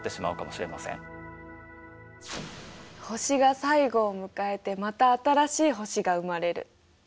星が最後を迎えてまた新しい星が生まれる。